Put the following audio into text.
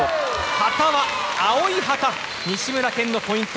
旗は青い旗西村拳のポイント。